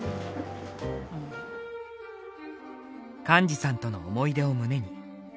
貫二さんとの思い出を胸に。